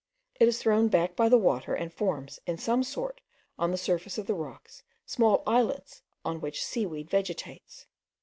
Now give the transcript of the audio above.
It is thrown back by the water, and forms, in some sort, on the surface of the rocks, small islets on which seaweed vegetates.